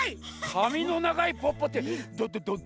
かみのながいポッポってどどどど